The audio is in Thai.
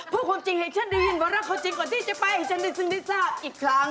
พูดความจริงให้ฉันได้ยินว่ารักเขาจริงก่อนที่จะไปให้ฉันได้ซึ่งได้ทราบอีกครั้ง